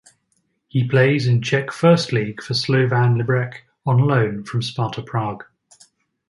He plays in Czech First League for Slovan Liberec on loan from Sparta Prague.